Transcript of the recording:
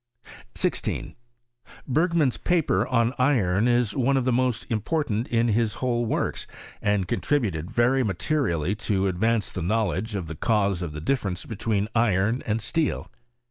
16. Bergman's paper on iron is one of the most important in his whole works, and contributed veiy materially to advance the knowledge of the cause M the diiference between iron and steel.